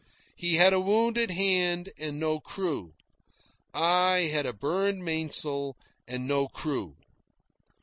He had a wounded hand and no crew. I had a burned main sail and no crew.